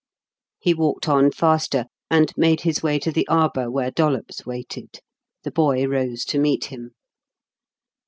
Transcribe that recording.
He walked on faster, and made his way to the arbour where Dollops waited. The boy rose to meet him.